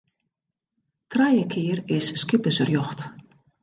Trije kear is skippersrjocht.